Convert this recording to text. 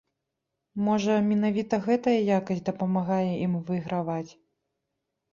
Можа, менавіта гэтая якасць дапамагае ім выйграваць?